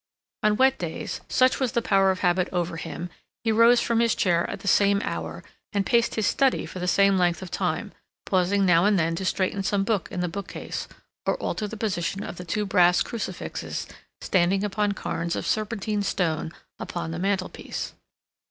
On wet days, such was the power of habit over him, he rose from his chair at the same hour, and paced his study for the same length of time, pausing now and then to straighten some book in the bookcase, or alter the position of the two brass crucifixes standing upon cairns of serpentine stone upon the mantelpiece.